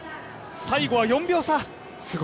最後は４秒差。